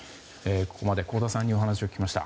ここまで香田さんにお話を聞きました。